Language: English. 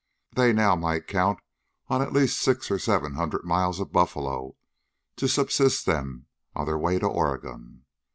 They now might count on at least six or seven hundred miles of buffalo to subsist them on their way to Oregon.